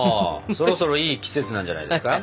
そろそろいい季節なんじゃないですか？